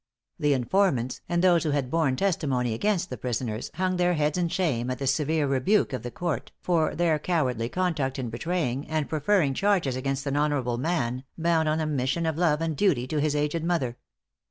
The informants, and those who had borne testimony against the prisoners, hung their heads in shame at the severe rebuke of the court, for their cowardly conduct in betraying, and preferring charges against an honorable man, bound on a mission of love and duty to his aged mother.